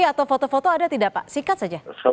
atau foto foto ada tidak pak sikat saja